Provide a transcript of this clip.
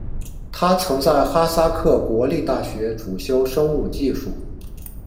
他曾在哈萨克国立大学主修生物技术。